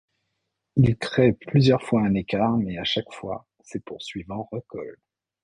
Il crée plusieurs fois un écart mais à chaque fois, ses poursuivants recollent.